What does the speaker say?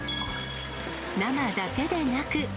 生だけでなく。